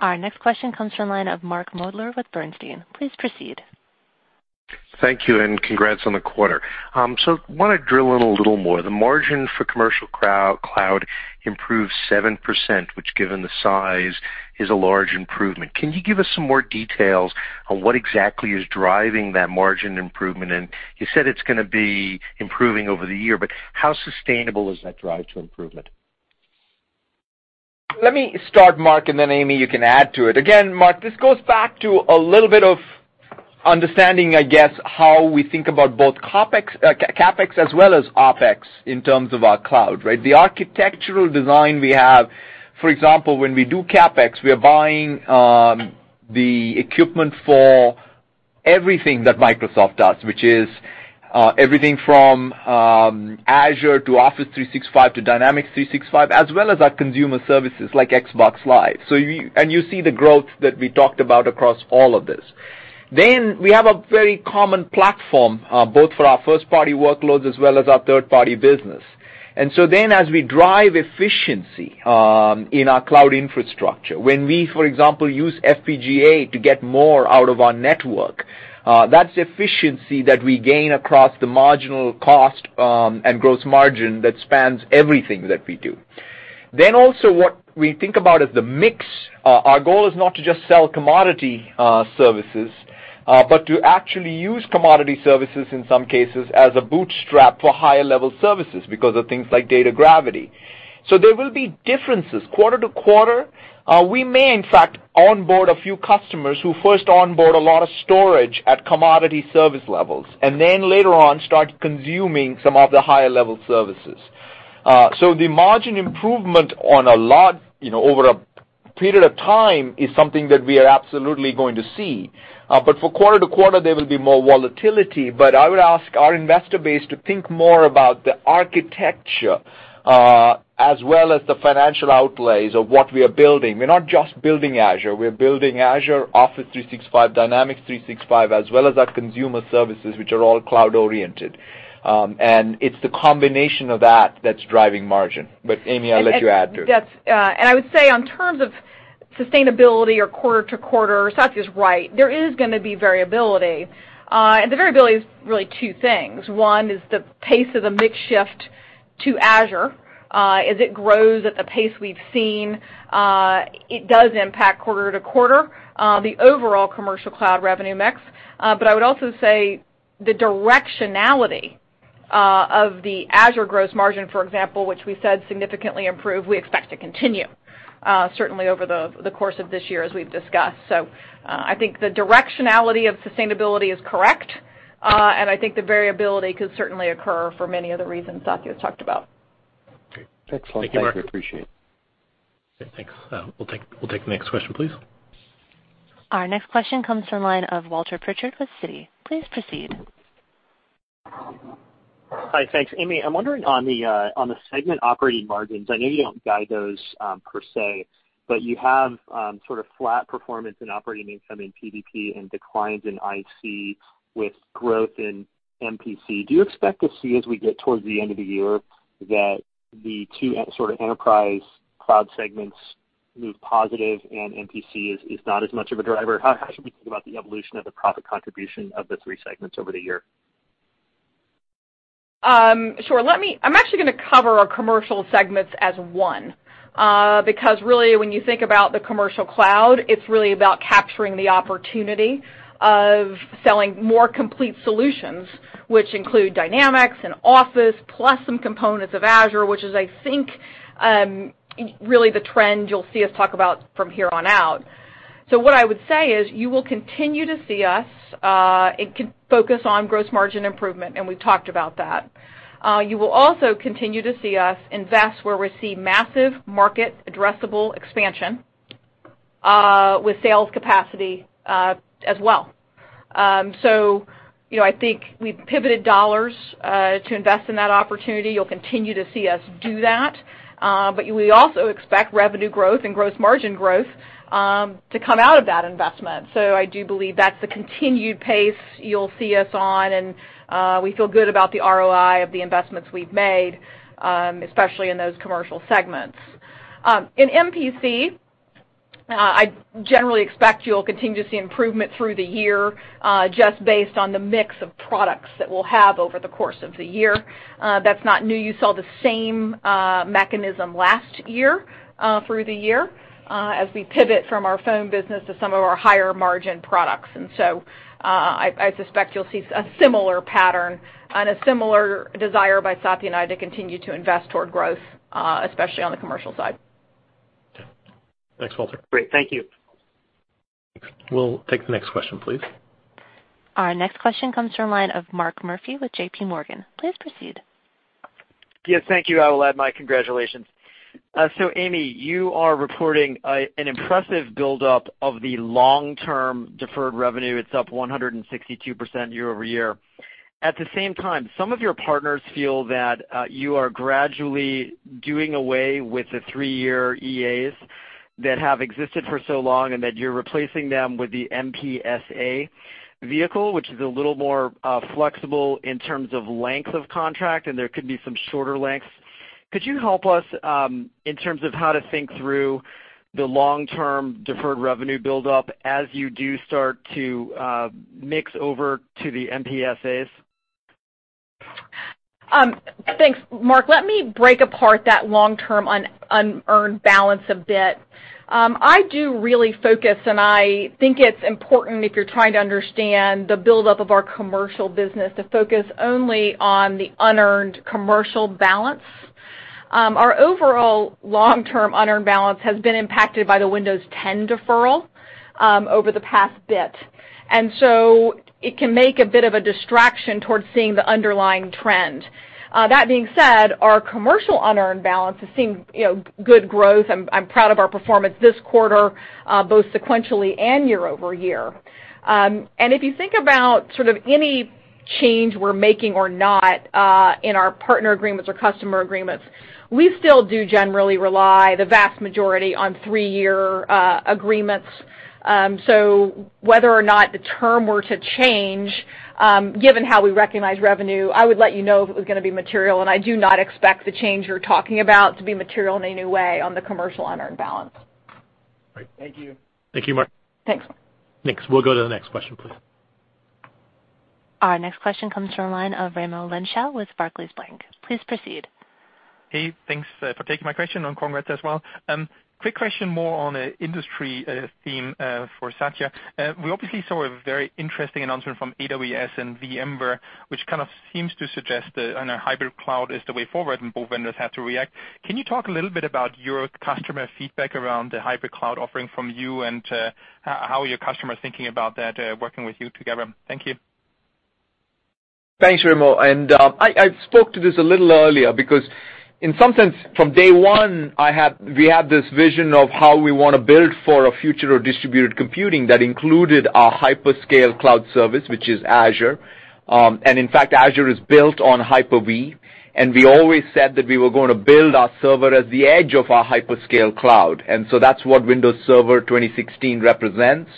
Our next question comes from line of Mark Moerdler with Bernstein. Please proceed. Thank you, and congrats on the quarter. I want to drill in a little more. The margin for commercial cloud improved 7%, which, given the size, is a large improvement. Can you give us some more details on what exactly is driving that margin improvement? You said it's going to be improving over the year, how sustainable is that drive to improvement? Let me start, Mark, Amy, you can add to it. Again, Mark, this goes back to a little bit of understanding, I guess, how we think about both CapEx as well as OpEx in terms of our cloud, right? The architectural design we have, for example, when we do CapEx, we are buying the equipment for everything that Microsoft does, which is everything from Azure to Office 365 to Dynamics 365, as well as our consumer services like Xbox Live. You see the growth that we talked about across all of this. We have a very common platform, both for our first-party workloads as well as our third-party business. As we drive efficiency in our cloud infrastructure, when we, for example, use FPGA to get more out of our network, that's efficiency that we gain across the marginal cost and gross margin that spans everything that we do. Also what we think about is the mix. Our goal is not to just sell commodity services, but to actually use commodity services in some cases as a bootstrap for higher-level services because of things like data gravity. There will be differences quarter to quarter. We may, in fact, onboard a few customers who first onboard a lot of storage at commodity service levels, later on start consuming some of the higher-level services. The margin improvement over a period of time is something that we are absolutely going to see. For quarter to quarter, there will be more volatility. I would ask our investor base to think more about the architecture as well as the financial outlays of what we are building. We're not just building Azure. We're building Azure, Office 365, Dynamics 365, as well as our consumer services, which are all cloud-oriented. It's the combination of that that's driving margin. Amy, I'll let you add to it. I would say in terms of sustainability or quarter-to-quarter, Satya's right. There is going to be variability. The variability is really two things. One is the pace of the mix shift to Azure. As it grows at the pace we've seen, it does impact quarter-to-quarter the overall commercial cloud revenue mix. I would also say the directionality of the Azure gross margin, for example, which we said significantly improved, we expect to continue certainly over the course of this year, as we've discussed. I think the directionality of sustainability is correct, and I think the variability could certainly occur for many of the reasons Satya's talked about. Okay. Thanks a lot. Thank you, Mark. Appreciate it. Okay, thanks. We'll take the next question, please. Our next question comes from the line of Walter Pritchard with Citi. Please proceed. Hi, thanks. Amy, I'm wondering on the segment operating margins, I know you don't guide those per se, but you have sort of flat performance in operating income in PBP and declines in IC with growth in MPC. Do you expect to see as we get towards the end of the year that the two sort of enterprise cloud segments move positive and MPC is not as much of a driver? How should we think about the evolution of the profit contribution of the three segments over the year? Sure. I'm actually going to cover our commercial segments as one, because really, when you think about the commercial cloud, it's really about capturing the opportunity of selling more complete solutions, which include Dynamics and Office, plus some components of Azure, which is, I think, really the trend you'll see us talk about from here on out. What I would say is, you will continue to see us focus on gross margin improvement, and we've talked about that. You will also continue to see us invest where we see massive market addressable expansion with sales capacity as well. I think we've pivoted dollars to invest in that opportunity. You'll continue to see us do that. We also expect revenue growth and gross margin growth to come out of that investment. I do believe that's the continued pace you'll see us on, and we feel good about the ROI of the investments we've made, especially in those commercial segments. In MPC, I generally expect you'll continue to see improvement through the year, just based on the mix of products that we'll have over the course of the year. That's not new. You saw the same mechanism last year through the year as we pivot from our phone business to some of our higher margin products. I suspect you'll see a similar pattern and a similar desire by Satya and I to continue to invest toward growth, especially on the commercial side. Okay. Thanks, Walter. Great. Thank you. We'll take the next question, please. Our next question comes from the line of Mark Murphy with JPMorgan. Please proceed. Yes, thank you. I will add my congratulations. Amy, you are reporting an impressive buildup of the long-term deferred revenue. It's up 162% year-over-year. At the same time, some of your partners feel that you are gradually doing away with the three-year EAs that have existed for so long, and that you're replacing them with the MPSA vehicle, which is a little more flexible in terms of length of contract, and there could be some shorter lengths. Could you help us in terms of how to think through the long-term deferred revenue buildup as you do start to mix over to the MPSAs? Thanks, Mark. Let me break apart that long-term unearned balance a bit. I do really focus, and I think it's important if you're trying to understand the buildup of our commercial business, to focus only on the unearned commercial balance. Our overall long-term unearned balance has been impacted by the Windows 10 deferral over the past bit. So it can make a bit of a distraction towards seeing the underlying trend. That being said, our commercial unearned balance is seeing good growth. I'm proud of our performance this quarter, both sequentially and year-over-year. If you think about sort of any change we're making or not in our partner agreements or customer agreements, we still do generally rely the vast majority on three-year agreements. Whether or not the term were to change, given how we recognize revenue, I would let you know if it was going to be material, and I do not expect the change you're talking about to be material in any way on the commercial unearned balance. Great. Thank you. Thank you, Mark. Thanks. Thanks. We'll go to the next question, please. Our next question comes from the line of Raimo Lenschow with Barclays Bank. Please proceed. Thanks for taking my question, congrats as well. Quick question more on an industry theme for Satya. We obviously saw a very interesting announcement from AWS and VMware, which kind of seems to suggest that on a hybrid cloud is the way forward. Both vendors have to react. Can you talk a little bit about your customer feedback around the hybrid cloud offering from you, how are your customers thinking about that, working with you together? Thank you. Thanks, Raimo. I spoke to this a little earlier because in some sense, from day one, we have this vision of how we want to build for a future of distributed computing that included a hyperscale cloud service, which is Azure. In fact, Azure is built on Hyper-V, we always said that we were going to build our server at the edge of our hyperscale cloud. That's what Windows Server 2016 represents.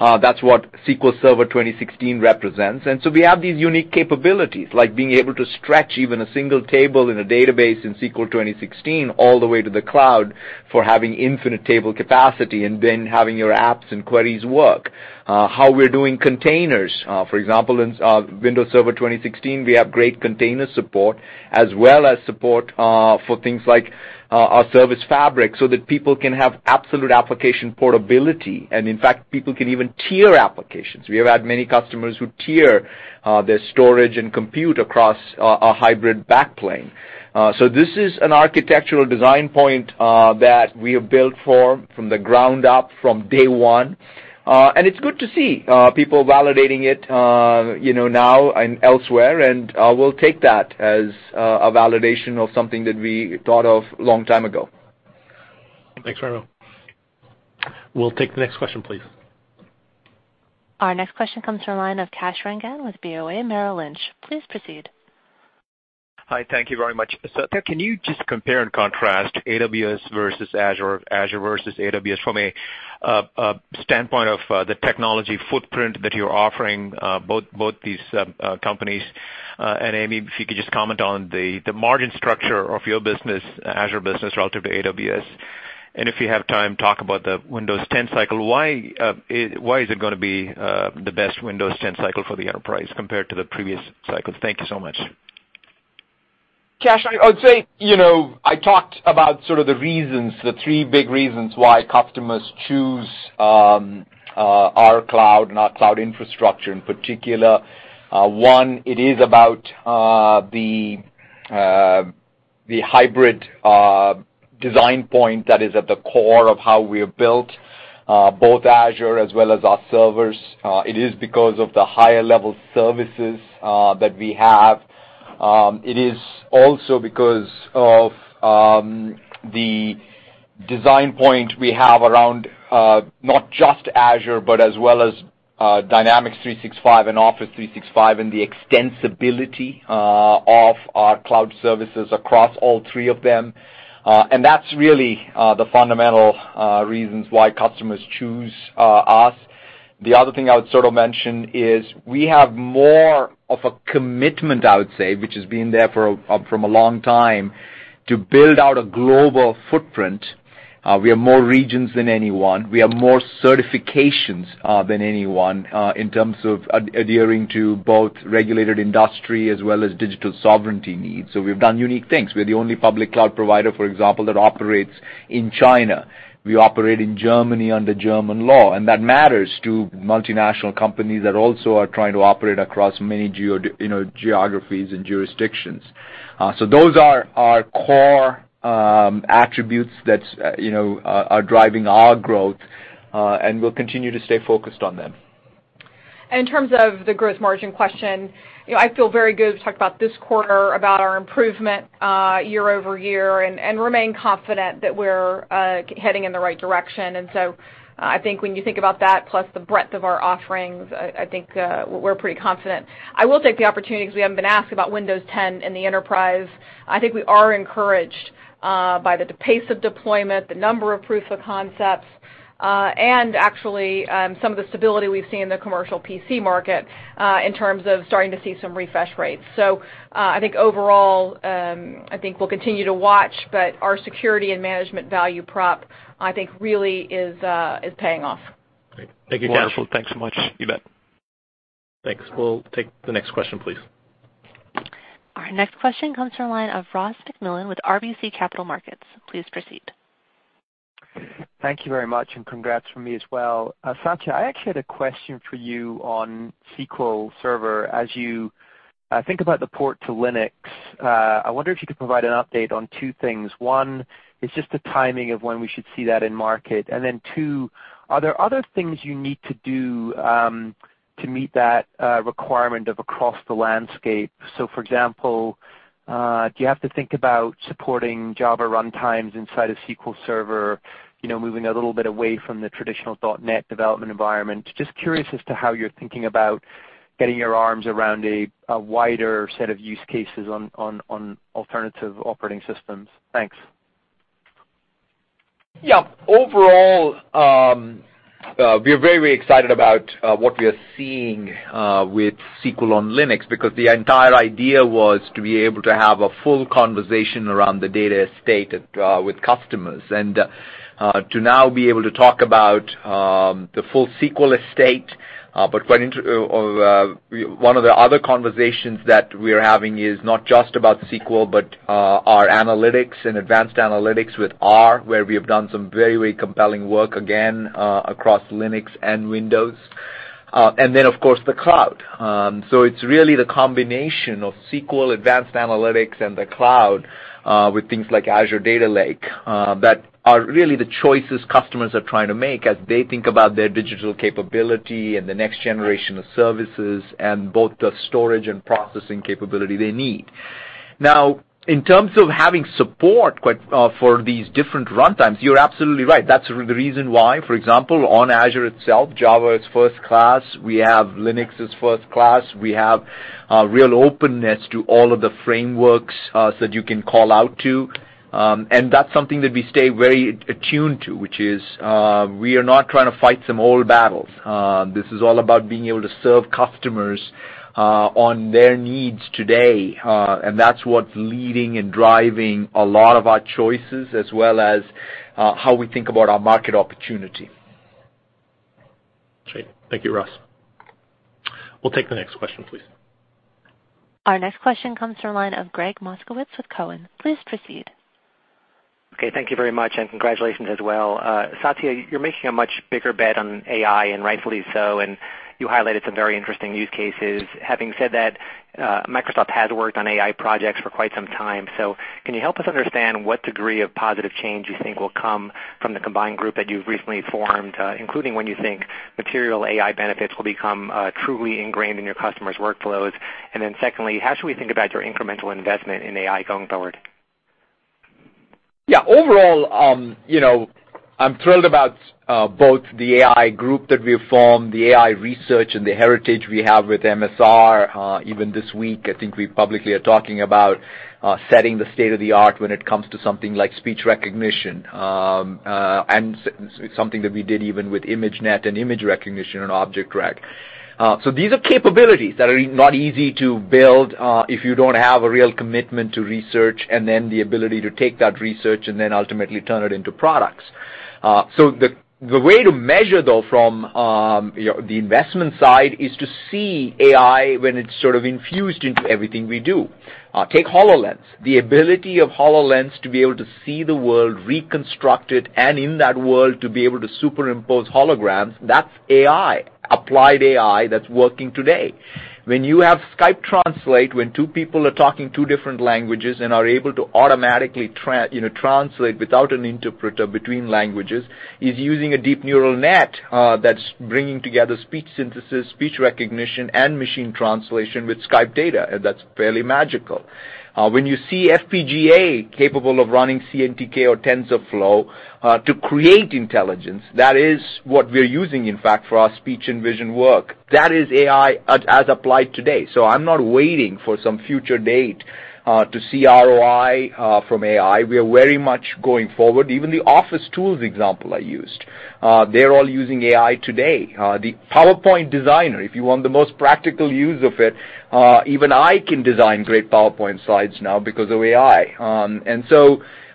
That's what SQL Server 2016 represents. We have these unique capabilities, like being able to stretch even a single table in a database in SQL 2016 all the way to the cloud for having infinite table capacity, then having your apps and queries work. How we're doing containers, for example, in Windows Server 2016, we have great container support as well as support for things like our Service Fabric so that people can have absolute application portability. In fact, people can even tier applications. We have had many customers who tier their storage and compute across a hybrid back plane. This is an architectural design point that we have built for from the ground up from day one. It's good to see people validating it now and elsewhere, we'll take that as a validation of something that we thought of a long time ago. Thanks, Raimo. We'll take the next question, please. Our next question comes from the line of Kash Rangan with BofA Merrill Lynch. Please proceed. Hi. Thank you very much. Satya, can you just compare and contrast AWS versus Azure versus AWS from a standpoint of the technology footprint that you're offering both these companies? Amy, if you could just comment on the margin structure of your Azure business relative to AWS. If you have time, talk about the Windows 10 cycle. Why is it going to be the best Windows 10 cycle for the enterprise compared to the previous cycles? Thank you so much. Kash, I would say, I talked about sort of the reasons, the three big reasons why customers choose our cloud and our cloud infrastructure in particular. One, it is about the hybrid design point that is at the core of how we have built both Azure as well as our servers. It is because of the higher level services that we have. It is also because of the design point we have around not just Azure, but as well as Dynamics 365 and Office 365, and the extensibility of our cloud services across all three of them. That's really the fundamental reasons why customers choose us. The other thing I would sort of mention is we have more of a commitment, I would say, which has been there from a long time, to build out a global footprint. We have more regions than anyone. We have more certifications than anyone in terms of adhering to both regulated industry as well as digital sovereignty needs. We've done unique things. We're the only public cloud provider, for example, that operates in China. We operate in Germany under German law, and that matters to multinational companies that also are trying to operate across many geographies and jurisdictions. Those are our core attributes that are driving our growth, and we'll continue to stay focused on them. In terms of the gross margin question, I feel very good to talk about this quarter, about our improvement year-over-year, and remain confident that we're heading in the right direction. I think when you think about that, plus the breadth of our offerings, I think we're pretty confident. I will take the opportunity, because we haven't been asked, about Windows 10 and the enterprise. I think we are encouraged by the pace of deployment, the number of proof of concepts, and actually, some of the stability we've seen in the commercial PC market in terms of starting to see some refresh rates. I think overall, I think we'll continue to watch, but our security and management value prop, I think really is paying off. Great. Thank you, Kash. Wonderful. Thanks so much. You bet. Thanks. We'll take the next question, please. Our next question comes from the line of Ross MacMillan with RBC Capital Markets. Please proceed. Thank you very much, congrats from me as well. Satya, I actually had a question for you on SQL Server. As you think about the port to Linux, I wonder if you could provide an update on two things. One is just the timing of when we should see that in market. Then two, are there other things you need to do to meet that requirement of across the landscape? For example, do you have to think about supporting Java runtimes inside of SQL Server, moving a little bit away from the traditional .NET development environment? Just curious as to how you're thinking about getting your arms around a wider set of use cases on alternative operating systems. Thanks. Overall, we are very excited about what we are seeing with SQL on Linux, because the entire idea was to be able to have a full conversation around the data estate with customers. To now be able to talk about the full SQL estate. One of the other conversations that we're having is not just about SQL, but our analytics and advanced analytics with R, where we have done some very compelling work, again, across Linux and Windows. Then, of course, the cloud. It's really the combination of SQL, advanced analytics, and the cloud, with things like Azure Data Lake, that are really the choices customers are trying to make as they think about their digital capability and the next generation of services and both the storage and processing capability they need. In terms of having support for these different runtimes, you're absolutely right. That's the reason why. For example, on Azure itself, Java is first class. We have Linux is first class. We have a real openness to all of the frameworks that you can call out to. That's something that we stay very attuned to, which is, we are not trying to fight some old battles. This is all about being able to serve customers on their needs today, and that's what's leading and driving a lot of our choices as well as how we think about our market opportunity. Great. Thank you, Ross. We'll take the next question, please. Our next question comes from the line of Gregg Moskowitz with Cowen. Please proceed. Okay. Thank you very much, congratulations as well. Satya, you're making a much bigger bet on AI, and rightfully so, and you highlighted some very interesting use cases. Having said that, Microsoft has worked on AI projects for quite some time. Can you help us understand what degree of positive change you think will come from the combined group that you've recently formed, including when you think material AI benefits will become truly ingrained in your customers' workflows? Then secondly, how should we think about your incremental investment in AI going forward? Overall, I'm thrilled about both the AI group that we have formed, the AI research, and the heritage we have with MSR. Even this week, I think we publicly are talking about setting the state-of-the-art when it comes to something like speech recognition, and something that we did even with ImageNet and image recognition and object rec. These are capabilities that are not easy to build if you don't have a real commitment to research, and then the ability to take that research and then ultimately turn it into products. The way to measure, though, from the investment side is to see AI when it's sort of infused into everything we do. Take HoloLens. The ability of HoloLens to be able to see the world reconstructed, and in that world, to be able to superimpose holograms, that's AI, applied AI that's working today. When you have Skype Translator, when two people are talking two different languages and are able to automatically translate without an interpreter between languages, is using a deep neural net that's bringing together speech synthesis, speech recognition, and machine translation with Skype data, and that's fairly magical. When you see FPGA capable of running CNTK or TensorFlow to create intelligence, that is what we're using, in fact, for our speech and vision work. That is AI as applied today. I'm not waiting for some future date to see ROI from AI. We are very much going forward. Even the Office tools example I used, they're all using AI today. The PowerPoint Designer, if you want the most practical use of it, even I can design great PowerPoint slides now because of AI.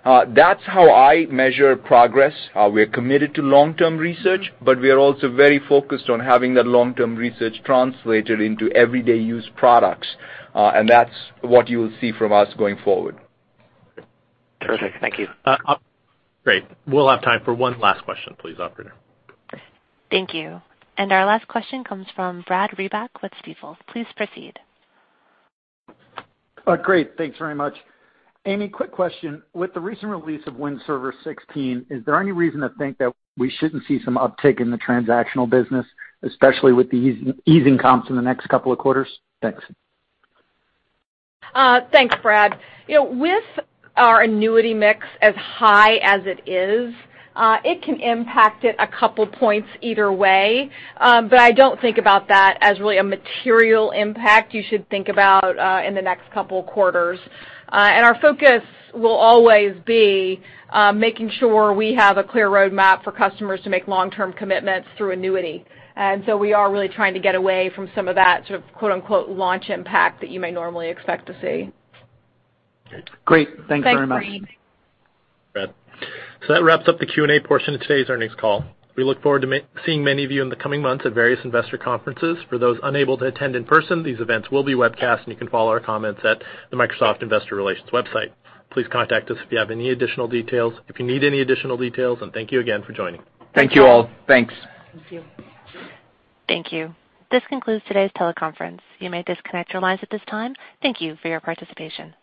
That's how I measure progress. We're committed to long-term research, but we are also very focused on having that long-term research translated into everyday use products. That's what you will see from us going forward. Terrific. Thank you. Great. We'll have time for one last question, please, operator. Thank you. Our last question comes from Brad Reback with Stifel. Please proceed. Great. Thanks very much. Amy, quick question. With the recent release of Windows Server 2016, is there any reason to think that we shouldn't see some uptick in the transactional business, especially with the easing comps in the next couple of quarters? Thanks. Thanks, Brad. With our annuity mix as high as it is, it can impact it a couple points either way. I don't think about that as really a material impact you should think about in the next couple of quarters. Our focus will always be making sure we have a clear roadmap for customers to make long-term commitments through annuity. We are really trying to get away from some of that sort of quote, unquote, "launch impact" that you may normally expect to see. Great. Thanks very much. Thanks, Brad. That wraps up the Q&A portion of today's earnings call. We look forward to seeing many of you in the coming months at various investor conferences. For those unable to attend in person, these events will be webcast, and you can follow our comments at the Microsoft Investor Relations website. Please contact us if you need any additional details, and thank you again for joining. Thank you all. Thanks. Thank you. Thank you. This concludes today's teleconference. You may disconnect your lines at this time. Thank you for your participation.